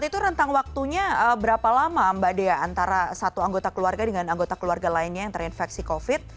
itu rentang waktunya berapa lama mbak dea antara satu anggota keluarga dengan anggota keluarga lainnya yang terinfeksi covid